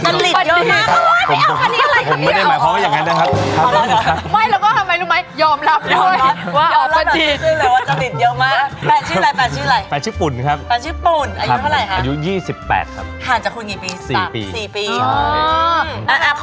เออไม่ต้องประดิษฐ์อะ